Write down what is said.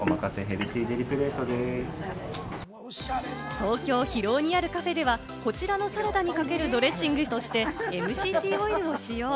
東京・広尾にあるカフェではこちらのサラダにかけるドレッシングとして、ＭＣＴオイルを使用。